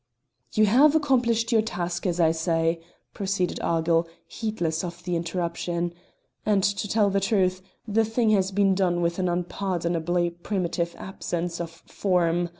"You have accomplished your task, as I say," proceeded Argyll, heedless of the interruption, "and to tell the truth, the thing has been done with an unpardonably primitive absence of form.